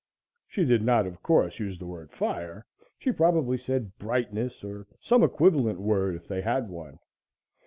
She did not, of course, use the word "fire;" she probably said "brightness," or some equivalent word, if they had one.